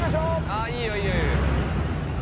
◆あー、いいよいいよ、いいよ。